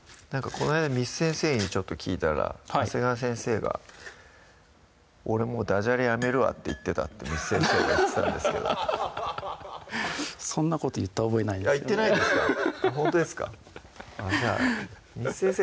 この間簾先生にちょっと聞いたら長谷川先生が「俺もうダジャレやめるわ」って言ってたって簾先生が言ってたんですけどそんなこと言った覚えないですがあっ言ってないですかほんとですかあぁじゃあ簾先生